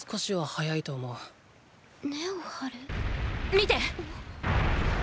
見て！